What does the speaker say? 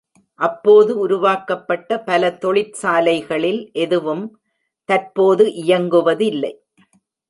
அப்போது உருவாக்கப்பட்ட பல தொழிற்சாலைகளில் எதுவும் தற்போது இயங்குவதில்லை.